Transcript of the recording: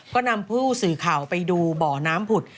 ก็นำผู้สื่อข่าวไปดูบ่อน้ำผุด